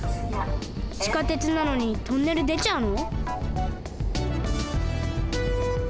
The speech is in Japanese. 地下鉄なのにトンネルでちゃうの？